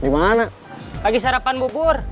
bagi sarapan bubur